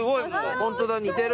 ホントだ似てる。